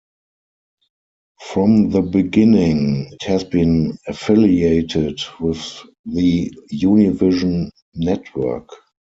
From the beginning, it has been affiliated with the Univision network.